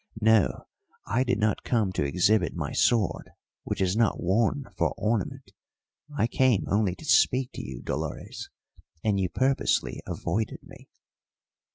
No, I did not come to exhibit my sword, which is not worn for ornament; I came only to speak to you, Dolores, and you purposely avoided me."